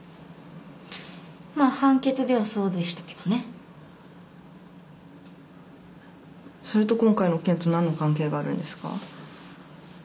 まあ判決ではそうでしたけどね。それと今回の件と何の関係があるんですか？